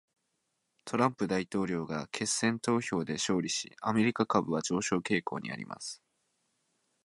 トランプ大統領が決選投票で勝利し、アメリカ株は上昇傾向にあります。